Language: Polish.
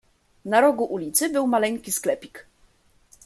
"Na rogu ulicy był maleńki sklepik."